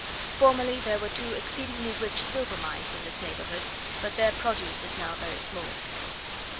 Formerly there were two exceedingly rich silver mines in this neighbourhood, but their produce is now very small.